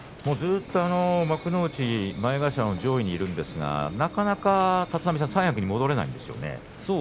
ずっと前頭の上位にいるんですがなかなか三役に戻れないんですよね。